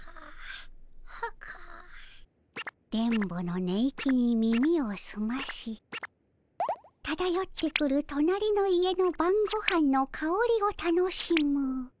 電ボの寝息に耳をすましただよってくるとなりの家のばんごはんのかおりを楽しむ。